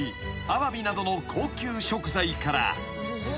アワビなどの高級食材から］